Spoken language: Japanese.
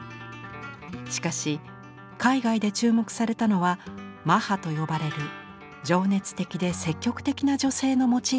しかし海外で注目されたのは「マハ」と呼ばれる情熱的で積極的な女性のモチーフでした。